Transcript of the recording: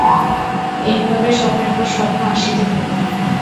এইভাবে স্বপ্নের পর স্বপ্ন আসিতে থাকে।